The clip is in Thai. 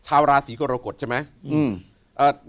ชาวราศีกรกฎใช่ไหม